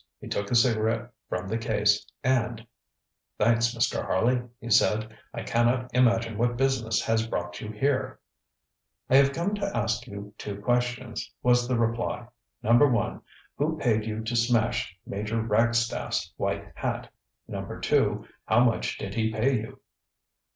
He took a cigarette from the case, and: ŌĆ£Thanks, Mr. Harley, ŌĆØ he said. ŌĆ£I cannot imagine what business has brought you here. ŌĆØ ŌĆ£I have come to ask you two questions, ŌĆØ was the reply. ŌĆ£Number one: Who paid you to smash Major Ragstaff's white hat? Number two: How much did he pay you?